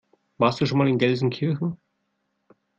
Warst du schon mal in Gelsenkirchen?